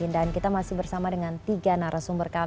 dan kita masih bersama dengan tiga narasumber